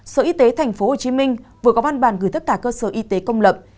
sở y tế tp hcm vừa có văn bản gửi tất cả cơ sở y tế công lập